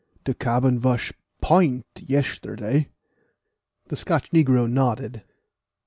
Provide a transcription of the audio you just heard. De cabin vas point yesterday." The Scotch negro nodded.